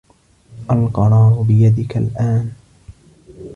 القرار بيدك الآن.